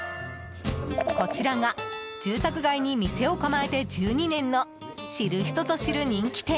こちらが住宅街に店を構えて１２年の知る人ぞ知る人気店